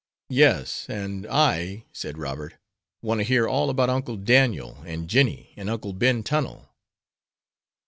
"Yes, and I," said Robert, "want to hear all about Uncle Daniel, and Jennie, and Uncle Ben Tunnel."